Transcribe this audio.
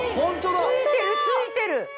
付いてる付いてる！